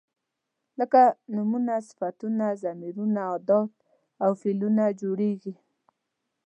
لکه نومونه، صفتونه، ضمیرونه، ادات او فعلونه جوړیږي.